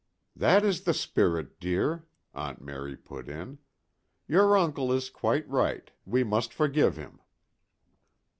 "That is the spirit, dear," Aunt Mary put in. "Your uncle is quite right: we must forgive him."